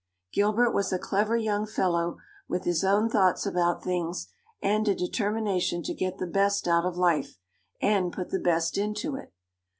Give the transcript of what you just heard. Gilbert was a clever young fellow, with his own thoughts about things and a determination to get the best out of life and put the best into it.